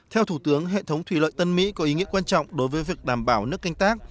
theo thủ tướng hệ thống thủy lợi tân mỹ có ý nghĩa quan trọng đối với việc đảm bảo nước canh tác